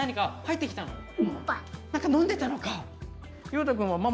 なんか飲んでたのか。